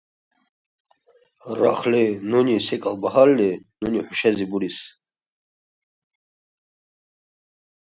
Если узнаю что-нибудь, сообщу вам.